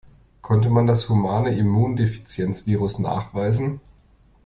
Konnte man das Humane Immundefizienz-Virus nachweisen?